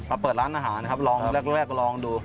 เปิดร้านอาหารนะครับลองแรกลองดู